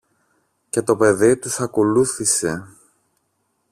Και το παιδί τους ακολούθησε.